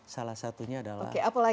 salah satunya adalah borobudur